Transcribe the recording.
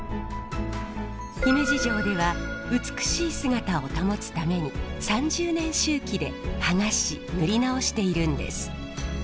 姫路城では美しい姿を保つために３０年周期で剥がし塗り直しているんです。